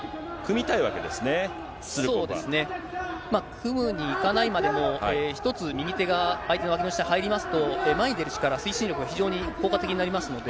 組むにいかないまでも、１つ右手が相手のわきの下に入りますと、前に出る力、推進力が非常に効果的になりますので。